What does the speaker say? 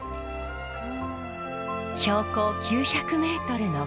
標高９００メートルの高野山。